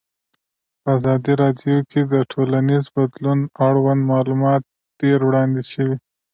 په ازادي راډیو کې د ټولنیز بدلون اړوند معلومات ډېر وړاندې شوي.